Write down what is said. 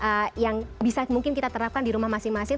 spesialis gizi sindi yang bisa mungkin kita terapkan di rumah masing masing